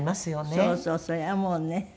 そうそうそりゃあもうね。